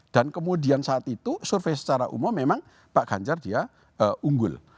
dan kemudian saat itu survei secara umum memang pak ganjar dia unggul